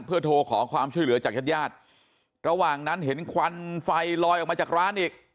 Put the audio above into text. เพื่อโทรขอความช่วยเหลือจากญาติญาติระหว่างนั้นเห็นควันไฟลอยออกมาจากร้านอีก